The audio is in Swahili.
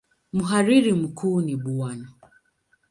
Mhariri mkuu ni Bw.